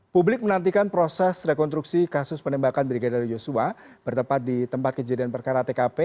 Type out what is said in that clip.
publik menantikan proses rekonstruksi kasus penembakan brigadir yosua bertempat di tempat kejadian perkara tkp